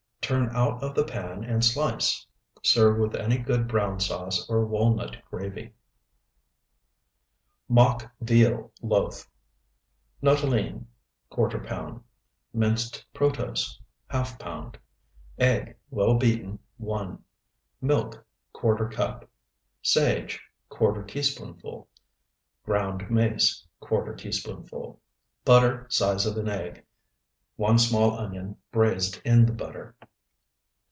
Turn out of the pan and slice. Serve with any good brown sauce or walnut gravy. MOCK VEAL LOAF Nuttolene, ¼ pound. Minced protose, ½ pound. Egg, well beaten, 1. Milk, ¼ cup. Sage, ¼ teaspoonful. Ground mace, ¼ teaspoonful. Butter size of an egg. 1 small onion, braized in the butter.